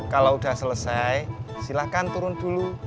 kalau sudah selesai silakan turun dulu